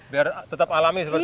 biar tetap alami seperti itu